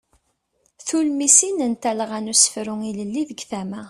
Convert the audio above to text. Tulmisin n talɣa n usefru ilelli deg tama.